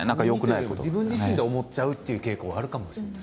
自分自身で思っちゃうという傾向はあるかもしれない。